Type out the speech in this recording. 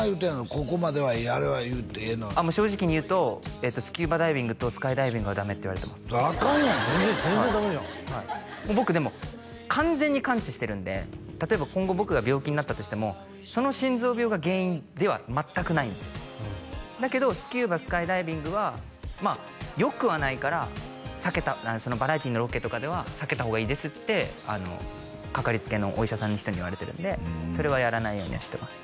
ここまではいいあれは正直に言うとスキューバダイビングとスカイダイビングはダメって言われてますアカンやんそれ全然ダメじゃん僕でも完全に完治してるんで例えば今後僕が病気になったとしてもその心臓病が原因では全くないんですよだけどスキューバスカイダイビングはまあよくはないから避けたバラエティーのロケとかでは避けた方がいいですってかかりつけのお医者さんの人に言われてるんでそれはやらないようにはしてます